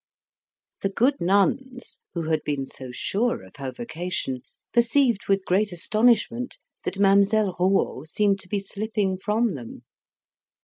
The good nuns, who had been so sure of her vocation, perceived with great astonishment that Mademoiselle Rouault seemed to be slipping from them.